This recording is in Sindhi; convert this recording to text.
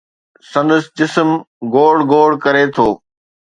سندس جسم، گوڙ گوڙ ڪري ٿو